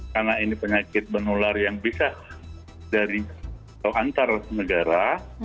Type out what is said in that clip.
karena ini penyakit menular yang bisa dari atau antar negara